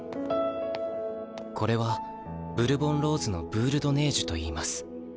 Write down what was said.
これはブルボンローズのブール・ド・ネージュといいます。